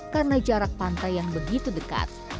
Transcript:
karena jarak pantai yang begitu dekat